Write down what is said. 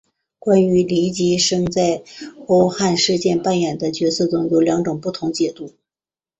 关于黎吉生在驱汉事件扮演的角色有两种不同解读。